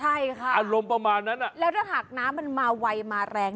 ใช่ค่ะอารมณ์ประมาณนั้นอ่ะแล้วถ้าหากน้ำมันมาไวมาแรง